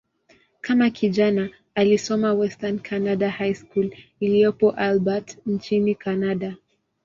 Kama kijana, alisoma "Western Canada High School" iliyopo Albert, nchini Kanada.